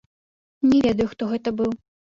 Не ведаю, хто гэта быў.